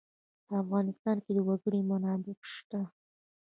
په افغانستان کې د وګړي منابع شته.